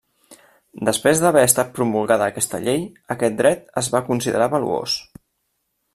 Després d'haver estat promulgada aquesta llei, aquest dret es va considerar valuós.